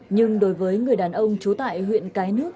nhưng đối với người đàn ông trú tại huyện cái nước